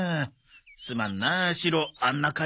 すまんなシロあんな飼い主で。